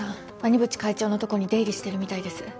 鰐淵会長のとこに出入りしてるみたいです。